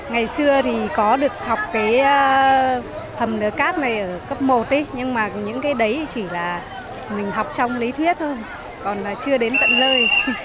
vì xưa thì có được học cái hầm đỡ cát này ở cấp một nhưng mà những cái đấy chỉ là mình học trong lý thuyết thôi còn là chưa đến tận lời